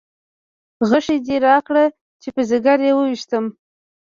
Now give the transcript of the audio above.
غشی دې راکړه چې په ځګر یې وویشتم.